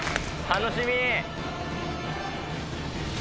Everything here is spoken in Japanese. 楽しみ！